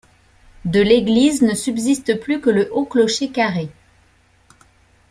De l'église ne subsiste plus que le haut clocher carré.